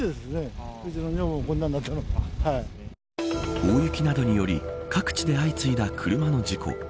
大雪などにより各地で相次いだ車の事故。